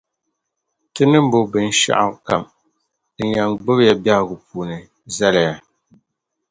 Ti ni bo binshɛɣu kam din yɛn gbubi ya biεhigu puuni zali ya.